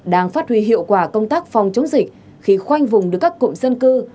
đang phát huy hiệu quả công tác phòng chống dịch khi khoanh vùng được các cụm dân cư